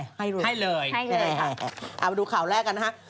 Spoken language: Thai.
สวัสดีค่าข้าวใส่ไข่